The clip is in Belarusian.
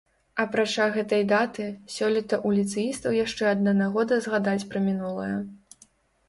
Апрача гэтай даты, сёлета ў ліцэістаў яшчэ адна нагода згадаць пра мінулае.